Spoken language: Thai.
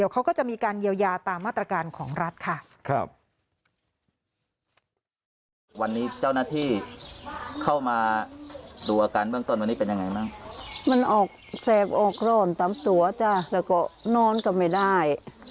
ก็ออกโรนตามตัวแล้วก็นอนก็ไม่ได้